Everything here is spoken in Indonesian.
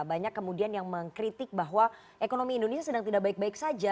banyak kemudian yang mengkritik bahwa ekonomi indonesia sedang tidak baik baik saja